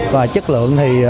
và chất lượng thì